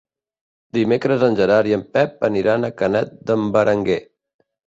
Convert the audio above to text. Dimecres en Gerard i en Pep aniran a Canet d'en Berenguer.